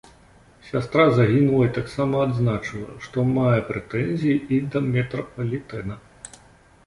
Сястра загінулай таксама адзначыла, што мае прэтэнзіі і да метрапалітэна.